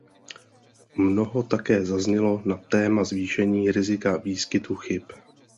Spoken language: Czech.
Mnoho také zaznělo na téma zvýšení rizika výskytu chyb.